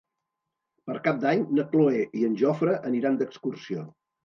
Per Cap d'Any na Cloè i en Jofre aniran d'excursió.